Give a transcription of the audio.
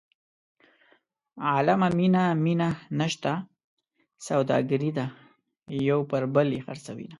عالمه مینه مینه نشته سوداګري ده یو پر بل یې خرڅوینه.